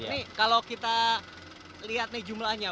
ini kalau kita lihat nih jumlahnya